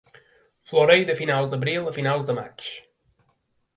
Floreix de finals d'abril a finals de maig.